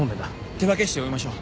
手分けして追いましょう。